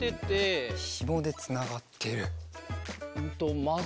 ひもでつながってる。